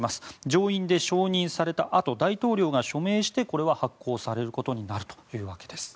上院で承認されたあと大統領が署名してこれは発効されることになるというわけです。